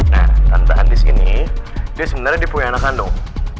nah tante andis ini dia sebenarnya dipunya anak kandung